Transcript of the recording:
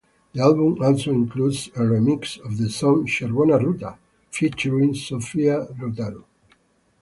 The album also includes a remix of the song "Chervona Ruta" featuring Sofia Rotaru.